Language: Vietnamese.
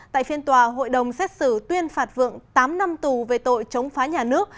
tại phiên tòa hội đồng xét xử tuyên phạt vượng tám năm tù về tội chống phá nhà nước